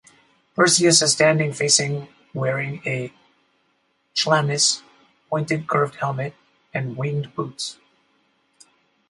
Perseus is standing facing wearing a chlamys, pointed curved helmet and winged boots.